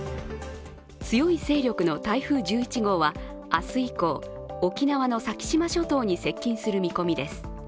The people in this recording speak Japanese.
強い勢力の台風１１号は明日以降沖縄の先島諸島に接近する見込みです。